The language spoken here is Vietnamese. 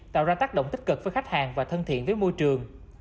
tạo ra tác động tích cực với khách hàng và thân thiện với môi trường